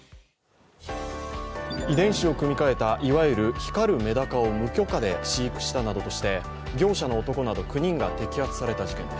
遺伝子を組み換えたいわゆる光るメダカを無許可で飼育したなどとして業者の男など９人がら摘発された事件。